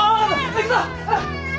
行くぞ。